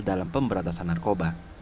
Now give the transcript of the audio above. dalam pemberhentasan narkoba